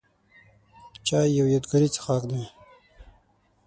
چای یو یادګاري څښاک دی.